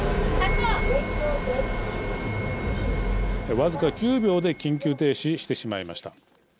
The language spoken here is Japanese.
僅か９秒で緊急停止してしまいました。